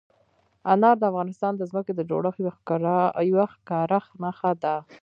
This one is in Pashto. انار د افغانستان د ځمکې د جوړښت یوه ښکاره نښه ده.